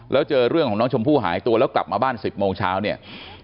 แล้วเจอเรื่องของน้องชมพู่หายตัวแล้วกลับมาบ้าน๑๐โมงเช้าเนี่ย